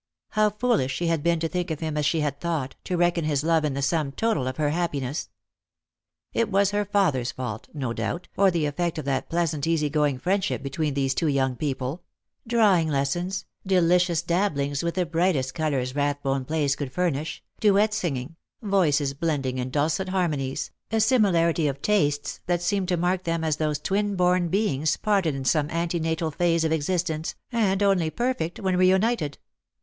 How foolish she had been to think of him as she had thought, to reckon his love in the sum total of her happiness ! It was her father's fault, no doubt, or the effect of that pleasant easy going friendship between these two young people — drawing lessons, delicious dabblings with the brightest colours Rathbone place could furnish, duet singing, voices blending in dulcet harmonies, a similarity of tastes that seemed to mark them as those twin born beings parted in some ante natal phase of existence, and only perfect when reunited.